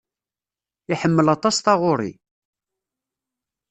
Iḥemmel aṭas taɣuri.